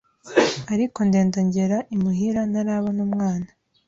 ariko ndenda ngera imuhira ntarabona umwana